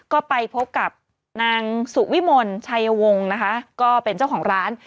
ก็ไปพบกับนางสุวิมลชัยวงศ์นะคะก็เป็นเจ้าของร้าน